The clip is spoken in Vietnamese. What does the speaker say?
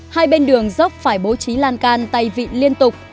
hai hai ba hai bên đường dốc phải bố trí lan can tay vịn liên tục